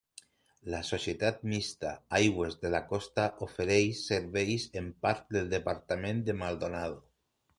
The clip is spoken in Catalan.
La societat mixta Aigües de la Costa ofereix serveis en part del Departament de Maldonado.